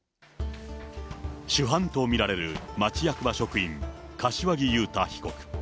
主犯と見られる町役場職員、柏木雄太被告。